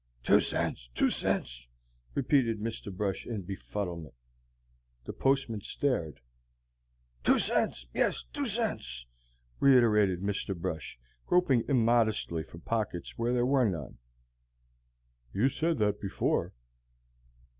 "Two cents, two cents," repeated Mr. Brush in befuddlement. The postman stared. "Two cents; yes, two cents," reiterated Mr. Brush, groping immodestly for pockets where there were none. "You said that before."